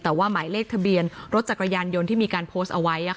แต่ว่าหมายเลขทะเบียนรถจักรยานยนต์ที่มีการโพสต์เอาไว้